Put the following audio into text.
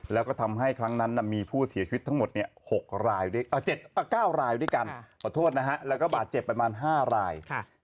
แล้วก็ทำให้ครั้งนั้นมีผู้เสียชีวิตทั้งหมด๖ราย๙รายด้วยกันขอโทษนะฮะแล้วก็บาดเจ็บประมาณ๕ราย